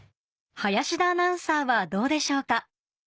林田アナウンサーはどうでしょうか？